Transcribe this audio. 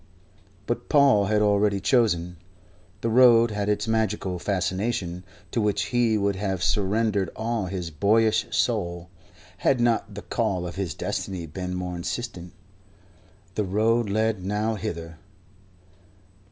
But Paul had already chosen. The Road had its magical fascination, to which he would have surrendered all his boyish soul, had not the call of his destiny been more insistent. The Road led nowhither.